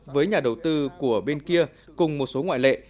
với nhà đầu tư của bên kia cùng một số ngoại lệ